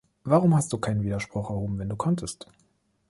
Warum hast du keinen Widerspruch erhoben, wenn du konntest?